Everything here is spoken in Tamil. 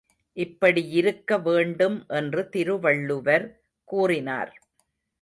இப்படியிருக்க வேண்டும் என்று திருவள்ளுவர் கூறினார்.